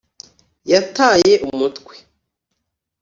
yataye umutwe